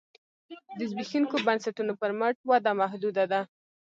د زبېښونکو بنسټونو پر مټ وده محدوده ده